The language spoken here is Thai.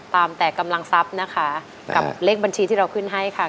ตามแต่กำลังทรัพย์นะคะกับเลขบัญชีที่เราขึ้นให้ค่ะ